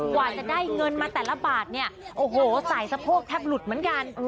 กว่าจะได้เงินมาแต่ละบาทใส่สะโพกแทบหลุดเหมือนกัน